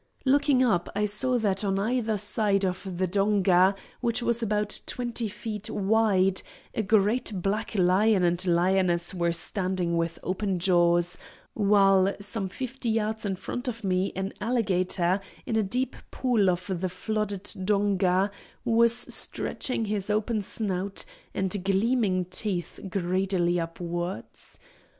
Looking up, I saw that on either side of the donga, which was about twenty feet wide, a great black lion and lioness were standing with open jaws, while some fifty yards in front of me an alligator, in a deep pool of the flooded donga, was stretching his open snout and gleaming teeth greedily upwards.